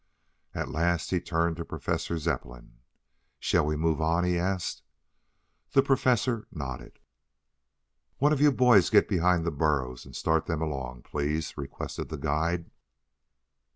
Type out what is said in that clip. At last he turned to Professor Zepplin. "Shall we move?" he asked. The Professor nodded. "One of you boys get behind the burros and start them along, please," requested the guide.